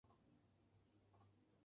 Comienza donde el Foyle deja Derry.